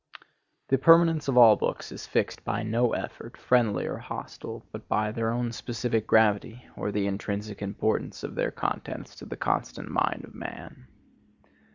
The permanence of all books is fixed by no effort, friendly or hostile, but by their own specific gravity, or the intrinsic importance of their contents to the constant mind of man.